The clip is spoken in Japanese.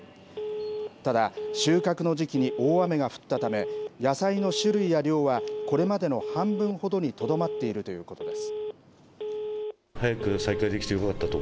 ただ、収穫の時期に大雨が降ったため、野菜の種類や量は、これまでの半分ほどにとどまっているということです。